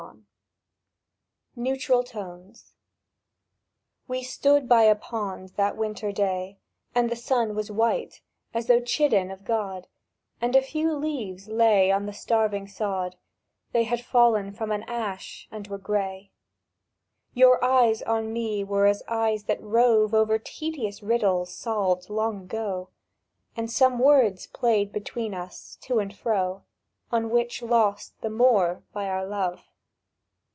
1866. NEUTRAL TONES WE stood by a pond that winter day, And the sun was white, as though chidden of God, And a few leaves lay on the starving sod, —They had fallen from an ash, and were gray. Your eyes on me were as eyes that rove Over tedious riddles solved years ago; And some words played between us to and fro— On which lost the more by our love.